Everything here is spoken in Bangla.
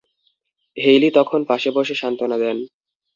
হেইলি তখন পাশে বসে সান্ত্বনা দেন।